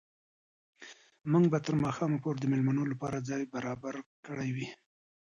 موږ به تر ماښامه پورې د مېلمنو لپاره ځای برابر کړی وي.